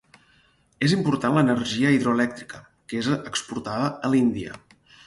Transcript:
És important l'energia hidroelèctrica que és exportada a l'Índia.